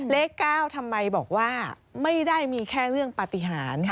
เลข๙ทำไมบอกว่าไม่ได้มีแค่เรื่องปฏิหาร